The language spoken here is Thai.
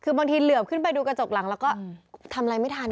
คือบางทีเหลือบขึ้นไปดูกระจกหลังแล้วก็ทำอะไรไม่ทัน